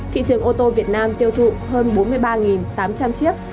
thị trường ô tô việt nam tiêu thụ hơn bốn mươi ba tám trăm linh chiếc